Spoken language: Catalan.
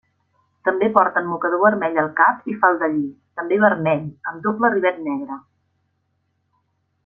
També porten mocador vermell al cap i faldellí, també vermell, amb doble rivet negre.